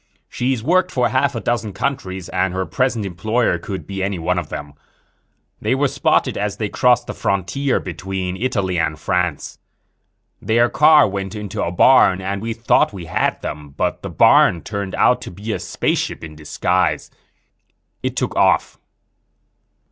She's worked for half a dozen countries and her present employer could be any one of them. They were spotted as they crossed the frontier between Italy and France. Their car went into a barn and we thought we had them. But the barn turned out to be a spaceship in disguise. It took off."